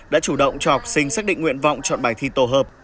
đã chủ động cho học sinh xác định nguyện vọng chọn bài thi tổ hợp